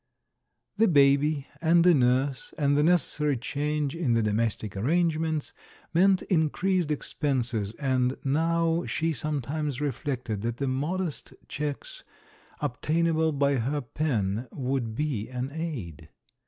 The baby, and a nurse, and the necessary change in the domestic arrangements meant increased expenses, and now she sometimes re flected that the modest cheques obtainable by her pen would be an aid.